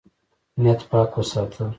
نیت پاک وساته.